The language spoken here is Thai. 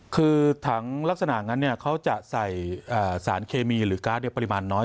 คือถังลักษณะนั้นเขาจะใส่สารเคมีหรือการ์ดปริมาณน้อย